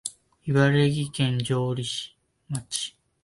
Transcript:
茨城県城里町